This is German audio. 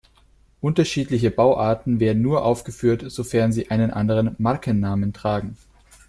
Unterschiedliche Bauarten werden nur aufgeführt, sofern sie einen anderen Markennamen tragen.